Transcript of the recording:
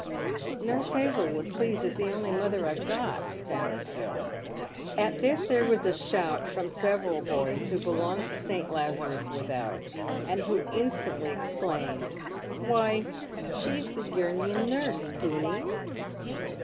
" Nurse Hazlewood, please, is the only mother I've got," stam mered Phil. At this there was a shout from several boys who belonged to St. Lazarus Without, and who instantly exclaimed, " Why, she's the Union nurse, spooney